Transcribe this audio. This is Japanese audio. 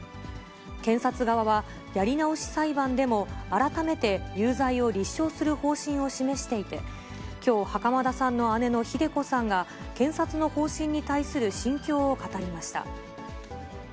検察側は、やり直し裁判でも、改めて有罪を立証する方針を示していて、きょう、袴田さんの姉のひで子さんが、検察の方針に対する心境を語りました。